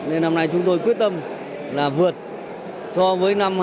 nên năm nay chúng tôi quyết tâm là vượt so với năm hai nghìn một mươi tám